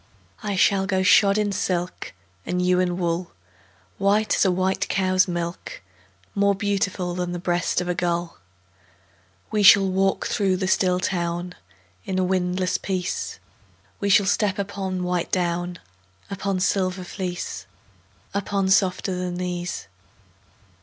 I shall go shod in silk, And you in wool, White as a white cow's milk, More beautiful Than the breast of a gull. We shall walk through the still town In a windless peace; We shall step upon white down, Upon silver fleece, Upon softer than these.